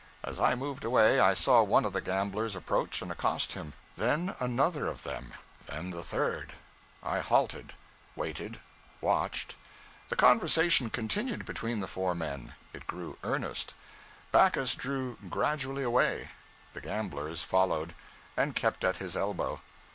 As I moved away, I saw one of the gamblers approach and accost him; then another of them; then the third. I halted; waited; watched; the conversation continued between the four men; it grew earnest; Backus drew gradually away; the gamblers followed, and kept at his elbow.